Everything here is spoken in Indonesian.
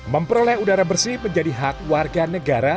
memperoleh udara bersih menjadi hak warga negara